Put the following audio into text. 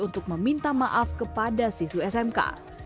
untuk meminta maaf kepada siswi smk